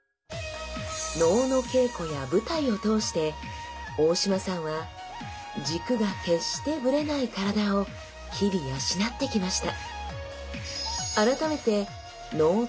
能の稽古や舞台を通して大島さんは軸が決してブレない体を日々養ってきました。